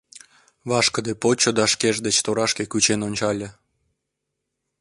Вашкыде почо да шкеж деч торашке кучен ончале.